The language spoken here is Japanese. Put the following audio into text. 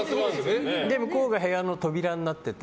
向こうが部屋の扉になってて。